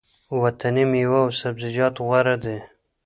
وطني مېوه او سبزیجات غوره دي.